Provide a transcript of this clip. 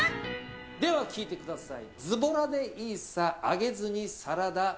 では聴いてください。